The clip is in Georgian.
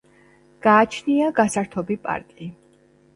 გააჩნია გასართობი პარკი.